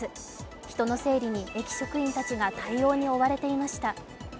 人の整理に駅職員たちが対応に追われていました。